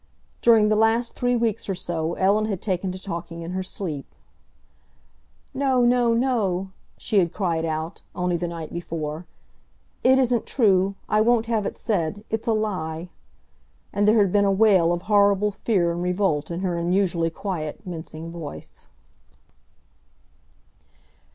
During the last three weeks or so Ellen had taken to talking in her sleep. "No, no, no!" she had cried out, only the night before. "It isn't true—I won't have it said—it's a lie!" And there had been a wail of horrible fear and revolt in her usually quiet, mincing voice.